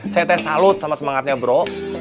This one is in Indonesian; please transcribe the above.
saya teh salut sama semangatnya bro